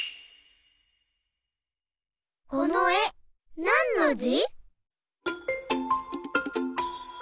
このえなんのじ？